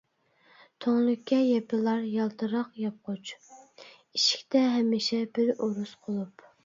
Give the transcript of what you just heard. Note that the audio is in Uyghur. تۈڭلۈككە يېپىلار يالتىراق ياپقۇچ، ئىشىكتە ھەمىشە بىر ئورۇس قۇلۇپ.